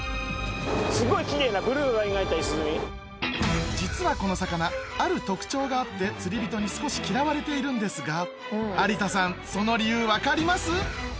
さらに実はこの魚ある特徴があって釣り人に少し嫌われているんですが有田さんその理由分かります？